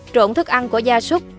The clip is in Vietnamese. trộn thức ăn của gia súc